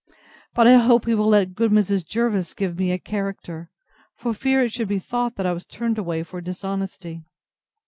But I hope he will let good Mrs. Jervis give me a character, for fear it should be thought that I was turned away for dishonesty.